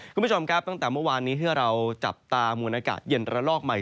คุณผู้ชมครับตั้งแต่เมื่อวานนี้ที่เราจับตามวนอากาศเย็นระลอกใหม่